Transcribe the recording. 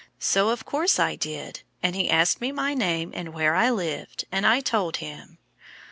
So, of course, I did, and he asked me my name and where I lived, and I told him."